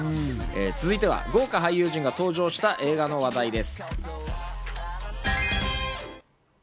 続いては豪華俳優陣が登場した映画の話題です。